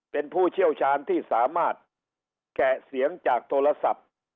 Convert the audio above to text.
เป็นผู้เชี่ยวชาญที่สามารถแกะเสียงจากโทรศัพท์